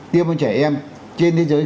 tiêm cho trẻ em trên thế giới